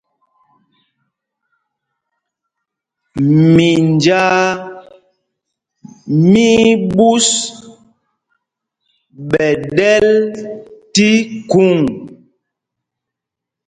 Minjāā mí í ɓǔs ɓɛ̌ ɗɛ̄l tí khuŋ.